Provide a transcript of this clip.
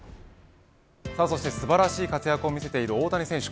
素晴らしい活躍を見せている大谷選手